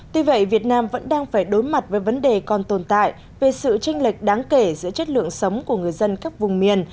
tuy vậy việt nam vẫn đang phải đối mặt với vấn đề còn tồn tại về sự tranh lệch đáng kể giữa chất lượng sống của người dân các vùng miền